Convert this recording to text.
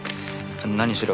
何しろ